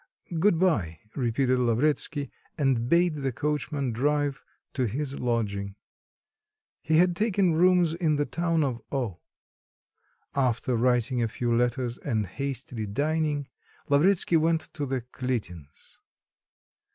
"Good bye," repeated Lavretsky, and bade the coachman drive to his lodging. He had taken rooms in the town of O ... After writing a few letters and hastily dining, Lavretsky went to the Kalitins'.